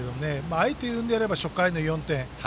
あえて言うんであれば初回の４点。